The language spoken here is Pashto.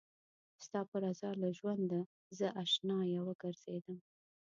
ستا په رضا له ژونده زه اشنايه وګرځېدم